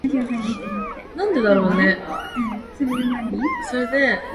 덕호는 선비를 껴안으며 진저리가 나도록 선비의 귓가를 빨았다.